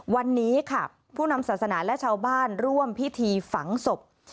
วันนี้ค่ะผู้นำศาสนาและชาวบ้านร่วมพิธีฝังศพ